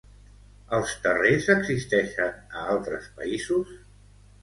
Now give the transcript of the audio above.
Els terrers existeixen a altres països?